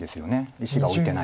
石が置いてない。